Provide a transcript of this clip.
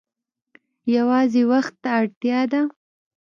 یوازې وخت ته اړتیا ده.